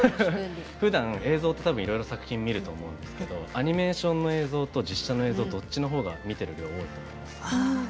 ふだん、映像って多分いろいろ作品見ると思うんですけどアニメーションの映像と実写の映像とどっちの方が見ている量が多いですか？